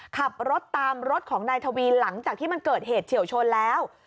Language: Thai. ขับรถตามรถของนายทวีหลังจากที่มันเกิดเหตุเฉียวชนแล้ว